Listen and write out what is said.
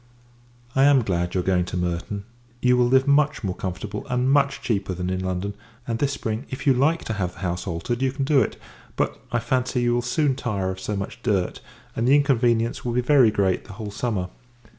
I am glad you are going to Merton; you will live much more comfortable, and much cheaper, than in London: and this spring, if you like to have the house altered, you can do it. But, I fancy, you will soon tire of so much dirt, and the inconvenience will be very great the whole summer.